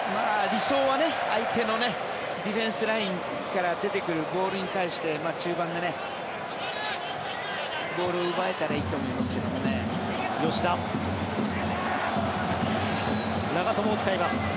理想は相手のディフェンスラインから出てくるボールに対して中盤でボールを奪えたらいいと思いますけどね長友を使います。